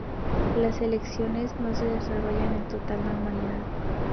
Las elecciones se desarrollaron en total normalidad.